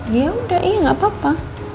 ya udah gak apa apa